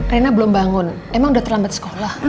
rena belum bangun emang udah terlambat sekolah